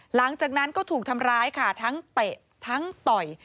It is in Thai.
หลังจากนั้นก็ถูกทำร้ายค่ะทั้งเตะทั้งต่อย